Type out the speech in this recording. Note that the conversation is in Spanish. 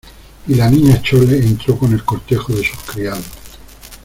y la Niña Chole entró con el cortejo de sus criados.